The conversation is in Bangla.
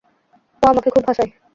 ও আমাকে খুব হাসায়।